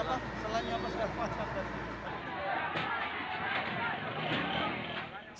selain apa segala macam